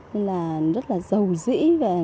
nên là rất là giàu dĩ